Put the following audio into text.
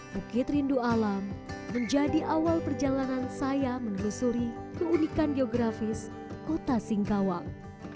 bukit rindu alam menjadi awal perjalanan saya menelusuri keunikan geografis kota singkawang